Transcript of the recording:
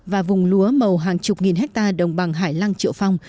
và vùng lúa màu hàng chục nghìn hectare đồng bằng hải lăng triệu phong